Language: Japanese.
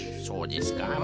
そうですか？